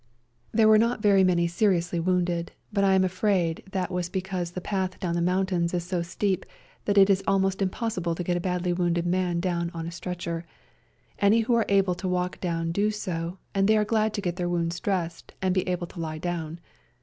There were not very A SERBIAN AMBULANCE 25 many seriously wounded, but I am afraid that was because the path down the mountains is so steep that it is almost impossible to get a badly wounded man down on a stretcher. Any who are able to walk down do so, and they were glad to get their wounds dressed and be able to lie down.